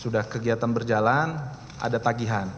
sudah kegiatan berjalan ada tagihan